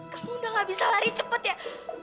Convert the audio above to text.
kamu udah gak bisa lari cepat ya